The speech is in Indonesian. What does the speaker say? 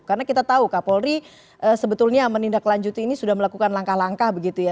karena kita tahu kak polri sebetulnya menindak lanjut ini sudah melakukan langkah langkah begitu ya